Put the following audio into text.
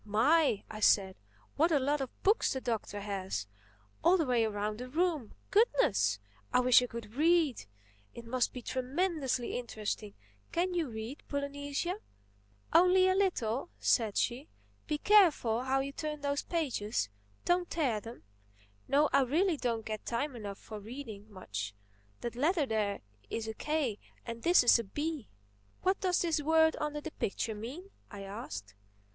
"My!" I said, "what a lot of books the Doctor has—all the way around the room! Goodness! I wish I could read! It must be tremendously interesting. Can you read, Polynesia?" "Only a little," said she. "Be careful how you turn those pages—don't tear them. No, I really don't get time enough for reading—much. That letter there is a k and this is a b." "What does this word under the picture mean?" I asked.